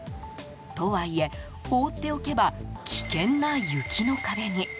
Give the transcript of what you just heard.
とはいえ、放っておけば危険な雪の壁に。